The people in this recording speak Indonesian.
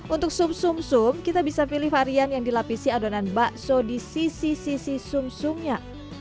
untuk sum sum sum kita bisa pilih varian yang dilapisi adonan bakso di sisi sisi sum sumnya